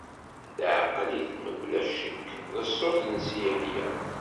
Teɛqel-it, mebla ccek, d ṣṣut n Si Yeḥya.